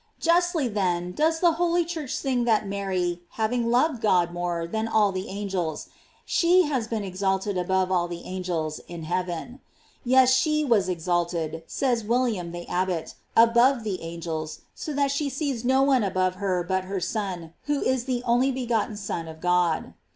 Justly, then, does the holy Church sinjy that 506 GLORIES OF MAEY. Mary having loved God more than all the angels, she has been exalted above all the angels, in hea ven.* Yes, she was exalted, says William the Abbot, above the angels, so that she sees no one above her but her Son, who is the only begot ten Son of God.